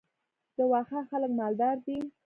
د واخان خلک مالدار دي